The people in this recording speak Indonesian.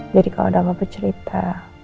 jadi kalo udah apa bercerita